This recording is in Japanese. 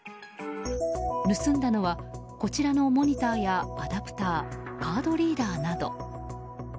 盗んだのはこちらのモニターやアダプターカードリーダーなど。